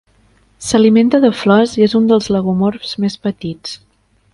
S'alimenta de flors i és un dels lagomorfs més petits.